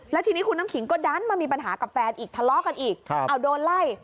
แล้วทีนี้คุณน้ำขิงก็ดันมามีปัญหากับแฟนอีกทะเลาะกันอีกเอาโดนไล่